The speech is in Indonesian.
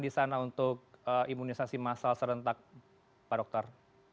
di sana untuk imunisasi massal serentak pak dokter